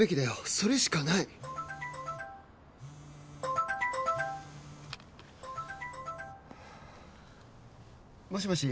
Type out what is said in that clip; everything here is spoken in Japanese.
それしかない！もしもし？